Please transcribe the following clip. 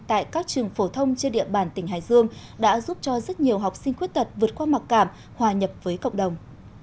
tại các trường phổ thông trên địa bàn tỉnh hải dương đã giúp cho rất nhiều học sinh khuyết tật vượt qua mặc cảm hòa nhập với cộng đồng